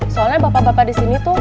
soalnya bapak bapak di sini tuh